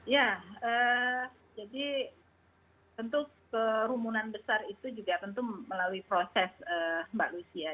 ya jadi tentu kerumunan besar itu juga tentu melalui proses mbak lucy ya